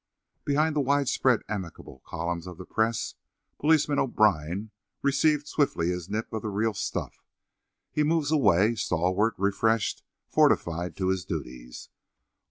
Behind the widespread, amicable columns of the press Policeman O'Brine receives swiftly his nip of the real stuff. He moves away, stalwart, refreshed, fortified, to his duties.